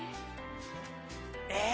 えっ？